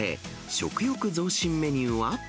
食欲増進メニューは？